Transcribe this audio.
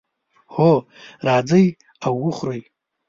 هو، راځئ او وخورئ